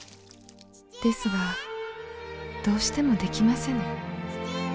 ですがどうしてもできませぬ。